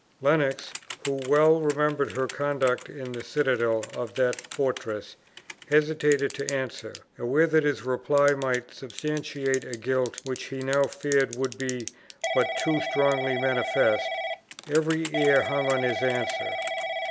Lennox, who well remembered her conduct in the citadel of that fortress, hesitated to answer, aware that his reply might substantiate a guilt which he now feared would be but too strongly manifest. Every ear hung on his answer.